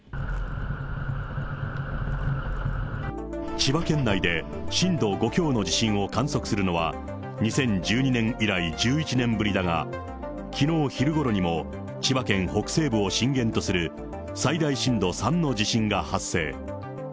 千葉県内で震度５強の地震を観測するのは、２０１２年以来１１年ぶりだが、きのう昼ごろにも、千葉県北西部を震源とする最大震度３の地震が発生。